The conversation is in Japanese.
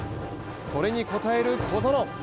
それに応える小園。